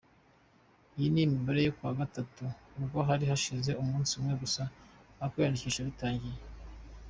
Iyi ni imibare yo kuwa gatatu, ubwo hari hashize umunsi umwe gusa ukwiyandikisha bitangiye .